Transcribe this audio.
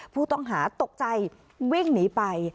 ผู้ต้องหาตกใจวิ่งหนีไป